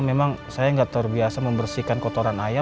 memang saya gak terbiasa membersihkan kotoran ayam